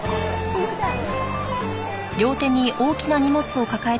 すいません。